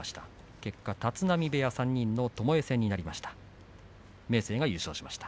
結果、立浪部屋３人のともえ戦になりました。